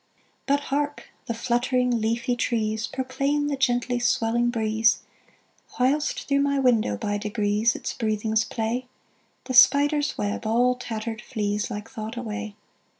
But hark! the fluttering leafy trees Proclaim the gently swelling breeze, Whilst through my window, by degrees, Its breathings play: The spider's web, all tattered flees, Like thought, away.